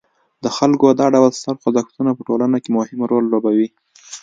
د خلکو دا ډول ستر خوځښتونه په ټولنه کې مهم رول لوبوي.